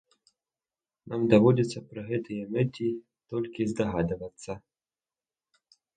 Нам даводзіцца пра гэтыя мэты толькі здагадвацца.